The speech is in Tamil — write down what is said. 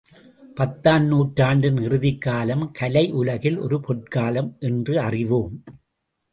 பத்தாம் நூற்றாண்டின் இறுதிக் காலம், கலை உலகில் ஒரு பொற்காலம் என்று அறிவோம்.